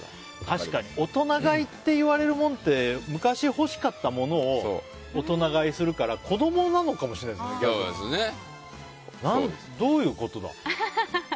確かに大人買いっていわれるものって昔、欲しかったものを大人買いするから子供なのかもしれないですね。